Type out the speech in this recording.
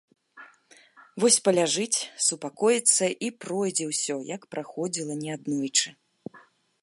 Вось паляжыць, супакоіцца, і пройдзе ўсё, як праходзіла неаднойчы.